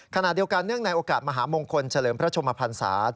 ขณะเดียวกันในโอกาสมหาบงคลเฉลิมพระชมพันธ์ศาสตร์